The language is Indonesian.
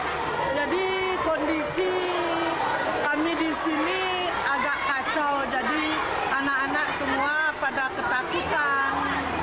saat gempa begitu tiba tiba jadi kondisi kami di sini agak kacau jadi anak anak semua pada ketakutan